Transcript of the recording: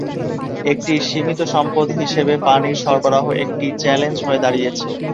একটি সীমিত সম্পদ হিসেবে পানির সরবরাহ একটি চ্যালেঞ্জ হয়ে দাঁড়িয়েছে।